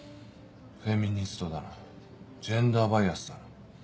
フェミニストだのジェンダーバイアスだの。